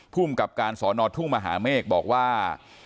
ผู้อุ้มกับการสอนอทรุงมหาเมฆบอกว่า